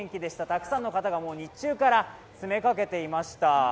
たくさんの方が日中から詰めかけていました。